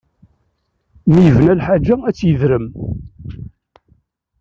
Mi yebna lḥaǧa ad tedrem.